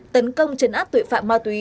tấn công chấn áp tuệ phạm ma túy